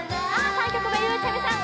３曲目ゆうちゃみさん